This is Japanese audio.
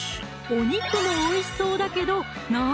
お肉もおいしそうだけど何？